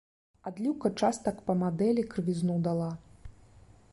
Адліўка частак па мадэлі крывізну дала.